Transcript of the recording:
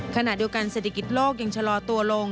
ขณะเดียวกันเศรษฐกิจโลกยังชะลอตัวลง